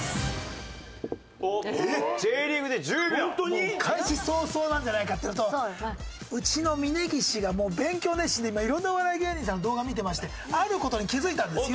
もう開始早々なんじゃないかっていうのとうちの峯岸がもう勉強熱心で今色んなお笑い芸人さんの動画を見てましてある事に気づいたんです。